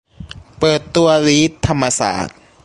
เปิดตัวลีดธรรมศาสตร์